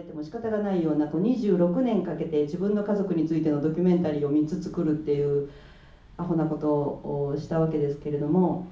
２６年かけて自分の家族についてのドキュメンタリーを３つ作るっていうアホなことをしたわけですけれども。